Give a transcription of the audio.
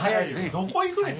どこ行くねん？